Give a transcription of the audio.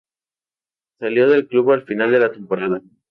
Salió del club al final de la temporada.